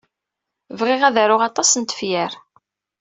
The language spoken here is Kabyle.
Bɣiɣ ad d-aruɣ aṭas n tefyar.